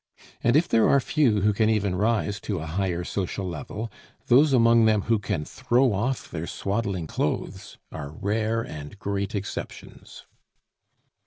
And if there are few who can even rise to a higher social level, those among them who can throw off their swaddling clothes are rare and great exceptions.